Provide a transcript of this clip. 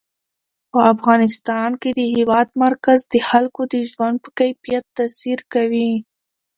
په افغانستان کې د هېواد مرکز د خلکو د ژوند په کیفیت تاثیر کوي.